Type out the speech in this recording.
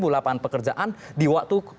lapangan pekerjaan di waktu